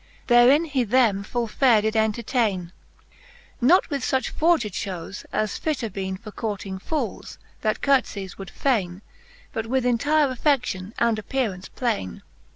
Therein he them full faire did entertaine. Not with fuch forged fliowes, as fitter beene For courting fooles, that curtefies would faine, But with entire affedion and appcaraunce plaine.